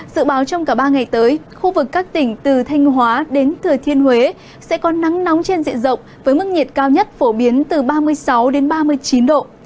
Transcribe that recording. dự báo trong cả ba ngày tới khu vực các tỉnh từ thanh hóa đến thừa thiên huế sẽ có nắng nóng trên diện rộng với mức nhiệt cao nhất phổ biến từ ba mươi sáu ba mươi chín độ